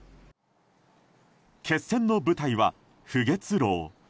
決戦の舞台は浮月楼。